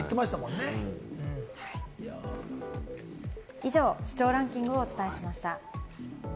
以上、視聴ランキングをお伝えしました。